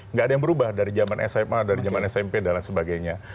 nggak ada yang berubah dari zaman sma dari zaman smp dan lain sebagainya